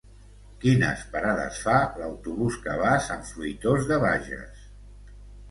Quines parades fa l'autobús que va a Sant Fruitós de Bages?